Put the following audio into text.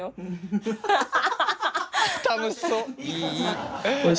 楽しそう！